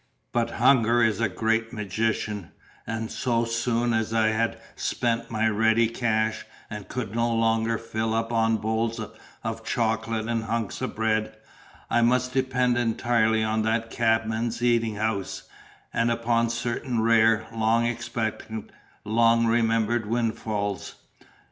But hunger is a great magician; and so soon as I had spent my ready cash, and could no longer fill up on bowls of chocolate or hunks of bread, I must depend entirely on that cabman's eating house, and upon certain rare, long expected, long remembered windfalls.